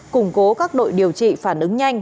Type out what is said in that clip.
củng cố các đội điều trị phản ứng nhanh